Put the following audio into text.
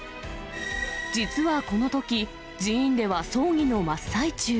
実はこのとき、寺院では葬儀の真っ最中。